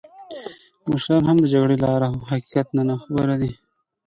مشران هم د جګړې له آره او حقیقت نه ناخبره دي.